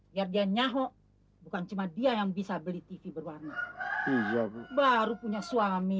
biar dia nyahok bukan cuma dia yang bisa beli tv berwarna baru punya suami